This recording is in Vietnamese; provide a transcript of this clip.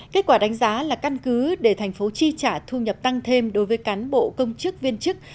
kết quả đánh giá là căn cứ để thành phố chi trả thu nhập tăng thêm đối với cán bộ công chức viên chức